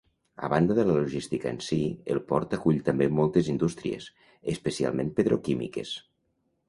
A banda de la logística en si, el port acull també moltes indústries, especialment petroquímiques.